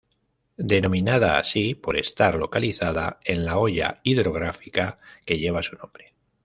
Denominada así por estar localizada en la hoya hidrográfica que lleva su nombre.